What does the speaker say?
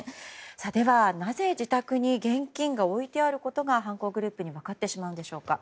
では、なぜ自宅に現金が置いてあることが犯行グループに分かってしまうんでしょうか。